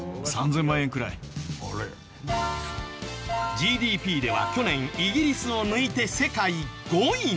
ＧＤＰでは去年イギリスを抜いて世界５位に。